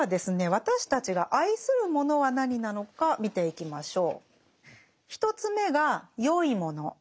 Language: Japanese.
私たちが愛するものは何なのか見ていきましょう。